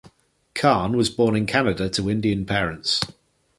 Khan was born in Canada to Indian parents.